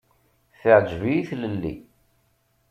Teɛǧeb-iyi tlelli.